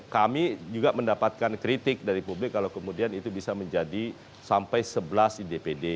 kami juga mendapatkan kritik dari publik kalau kemudian itu bisa menjadi sampai sebelas dpd